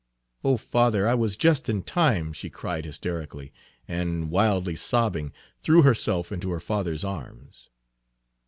"Oh, father, I was just in time!" she cried hysterically, and, wildly sobbing, threw herself into her father's arms.